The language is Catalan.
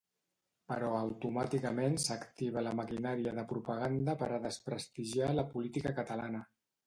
Però automàticament s’activa la maquinària de propaganda per a desprestigiar la policia catalana.